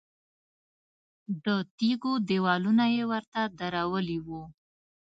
د تیږو دیوالونه یې ورته درولي وو.